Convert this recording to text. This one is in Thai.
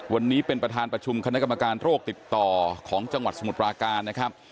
วันนี้เป็นประธานประชุมคณะกรรมการโรคติดต่อของจังหวัดสมุทรปราการนะครับ